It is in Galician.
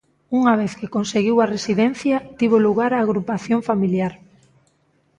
Unha vez que conseguiu a residencia, tivo lugar a agrupación familiar.